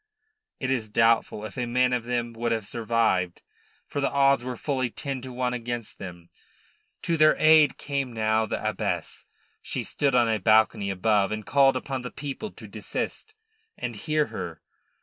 It is doubtful if a man of them would have survived, for the odds were fully ten to one against them. To their aid came now the abbess. She stood on a balcony above, and called upon the people to desist, and hear her.